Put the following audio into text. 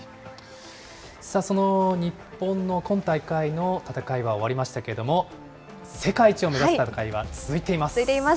その日本の今大会の戦いは終わりましたけれども、世界一を目指す続いています。